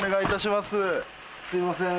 すいません。